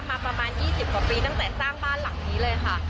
มาประมาณ๒๐กว่าปีตั้งแต่สร้างบ้านหลังนี้เลยค่ะ